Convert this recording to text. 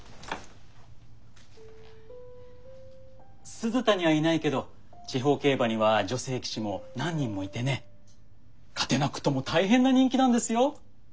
鈴田にはいないけど地方競馬には女性騎手も何人もいてね勝てなくとも大変な人気なんですよ。